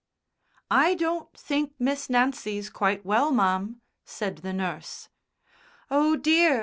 "I don't think Miss Nancy's quite well, ma'am," said the nurse. "Oh, dear!